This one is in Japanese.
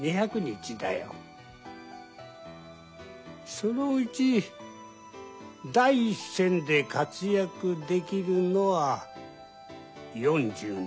そのうち第一線で活躍できるのは４０年。